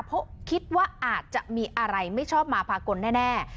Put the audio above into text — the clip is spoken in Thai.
เพราะคิดว่าอาจจะมีอะไรไม่ชอบมาพากลแน่